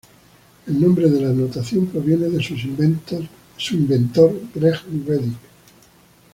El nombre de la notación proviene de su inventor Greg Reddick.